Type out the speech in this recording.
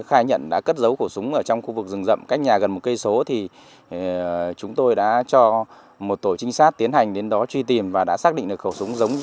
sau khi vào ngã sinh khai nhận đã cất giấu khẩu súng ở trong khu vực rừng rậm cách nhà gần một cây số thì chúng tôi đã cho một tổ trinh sát tiến hành đến đó truy tìm và đã xác định được khẩu súng giấu trong bụi cây